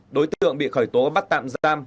đối tượng bị khởi tố bắt tạm giam